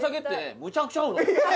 むちゃくちゃ合うのよ。